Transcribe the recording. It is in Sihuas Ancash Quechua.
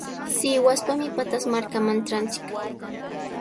Sihuaspami Pataz markaman tranchik.